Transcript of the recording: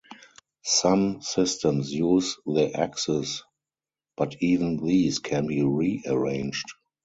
Some systems use the X's, but even these can be rearranged.